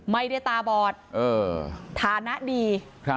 ไม่ได้ตาบอดฐานะดี